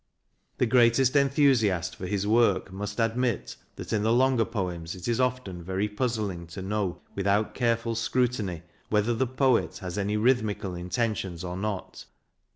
The greatest enthusiast for his work must admit that in the longer poems it is often very puzzling to know, without careful scrutiny, whether the poet has any rhythmical intentions or not.